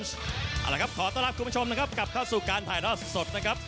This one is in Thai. เอาละครับขอต้อนรับคุณผู้ชมนะครับกลับเข้าสู่การถ่ายรอบสดนะครับ